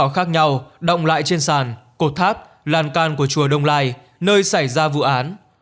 khác nhau động lại trên sàn cột tháp làn can của chùa đông lai nơi xảy ra vụ án